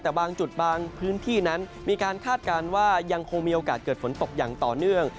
แต่บางจุดบางพื้นที่นั้นมีการคาดการณ์ว่ายังคงมีโอกาสเกิดฝนตกอย่างต่อเนื่อง